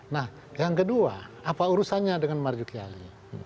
nah yang kedua apa urusannya dengan marzuki ali